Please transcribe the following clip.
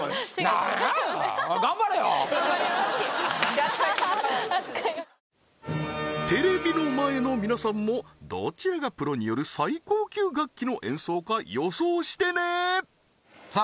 なんや頑張りますはははっテレビの前の皆さんもどちらがプロによる最高級楽器の演奏か予想してねさあ